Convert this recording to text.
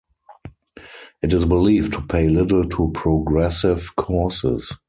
It is believed to pay little to progressive causes.